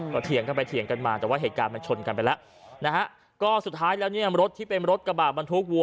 ก็เถียงกันไปเถียงกันมาแต่ว่าเหตุการณ์มันชนกันไปแล้วนะฮะก็สุดท้ายแล้วเนี่ยรถที่เป็นรถกระบาดบรรทุกวัว